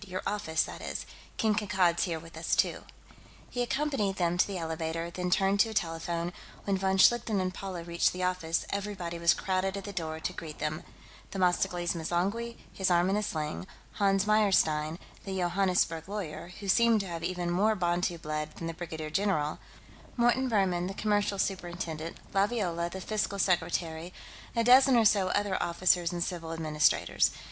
"Your office, that is. King Kankad's here with us, too." He accompanied them to the elevator, then turned to a telephone; when von Schlichten and Paula reached the office, everybody was crowded at the door to greet them: Themistocles M'zangwe, his arm in a sling; Hans Meyerstein, the Johannesburg lawyer, who seemed to have even more Bantu blood than the brigadier general; Morton Buhrmann, the Commercial Superintendent; Laviola, the Fiscal Secretary; a dozen or so other officers and civil administrators.